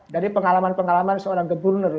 jadi pengalaman pengalaman seorang gubernur